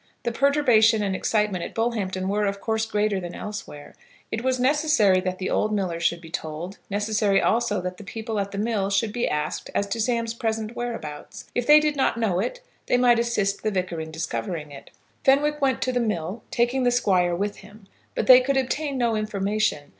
The perturbation and excitement at Bullhampton were, of course, greater than elsewhere. It was necessary that the old miller should be told, necessary also that the people at the mill should be asked as to Sam's present whereabouts. If they did not know it, they might assist the Vicar in discovering it. Fenwick went to the mill, taking the Squire with him; but they could obtain no information.